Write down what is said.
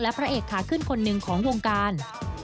พระเอกขาขึ้นคนหนึ่งของวงการ